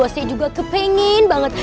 saya juga kepengen banget